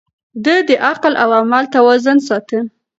ده د عقل او عمل توازن ساته.